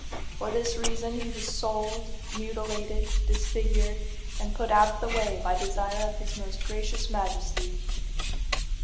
For this reason he was sold, mutilated, disfigured, and put out of the way by desire of his most gracious Majesty.